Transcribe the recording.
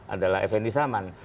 adalah fn di saman